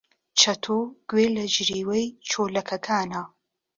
چەتۆ گوێی لە جریوەی چۆلەکەکانە.